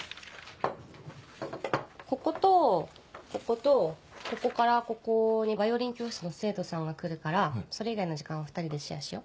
こことこことここからここにヴァイオリン教室の生徒さんが来るからそれ以外の時間を２人でシェアしよう。